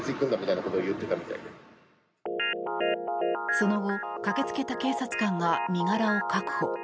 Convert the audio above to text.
その後、駆けつけた警察官が身柄を確保。